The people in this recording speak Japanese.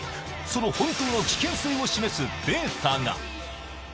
その本当の危険性を示すデータが。